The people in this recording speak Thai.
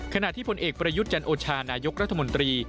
ขณะที่ผลเอกประยุทธ์จันโอชานายกรัฐมนตรี